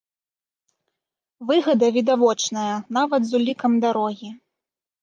Выгада відавочная нават з улікам дарогі.